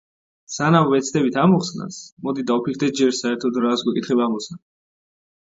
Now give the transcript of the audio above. სანამ ვეცდებით ამოხსნას, მოდით დავფიქრდეთ ჯერ საერთოდ რას გვეკითხება ამოცანა.